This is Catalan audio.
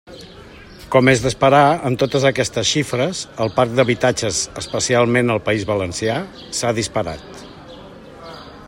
Com és d'esperar, amb totes aquestes xifres, el parc d'habitatges, especialment al País Valencià, s'ha disparat.